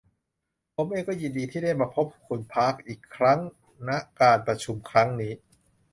ผมเองก็ยินดีที่ได้มาพบคุณปาร์คอีกครั้งนการประชุมครั้งนี้